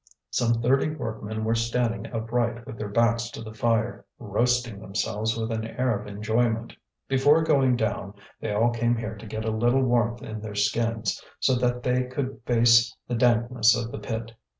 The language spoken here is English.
Some thirty workmen were standing upright with their backs to the fire, roasting themselves with an air of enjoyment. Before going down, they all came here to get a little warmth in their skins, so that they could face the dampness of the pit.